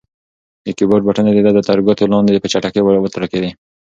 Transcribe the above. د کیبورډ بټنې د ده تر ګوتو لاندې په چټکۍ وتړکېدې.